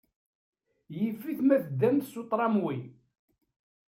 Yif-it ma teddamt s uṭramway.